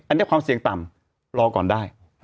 อันนี้ความเสี่ยงต่ำรอก่อนได้